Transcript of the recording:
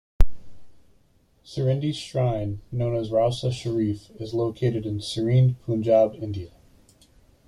Sirhindi's shrine, known as Rauza Sharif, is located in Sirhind, Punjab, India.